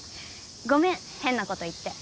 ごめん変なこと言って。